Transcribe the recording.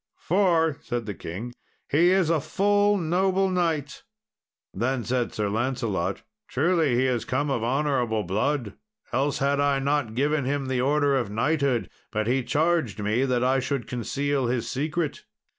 "For," said the king, "he is a full noble knight." Then said Sir Lancelot, "Truly he is come of honourable blood, else had I not given him the order of knighthood; but he charged me that I should conceal his secret."